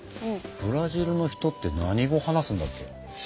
ブラジルの人って何語話すんだっけ？